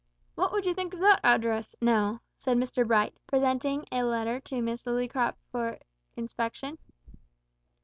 "What would you make of that address, now?" said Mr Bright, presenting a letter to Miss Lillycrop for inspection.